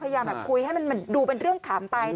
พยายามแบบคุยให้มันดูเป็นเรื่องขำไป